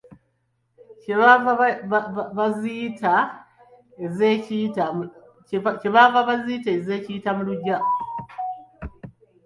Kye baavanga baziyita ez'ekiyita mu luggya.